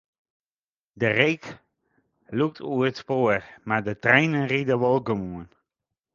De reek lûkt oer it spoar, mar de treinen ride wol gewoan.